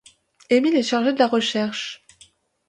Émile est chargé de la Recherche.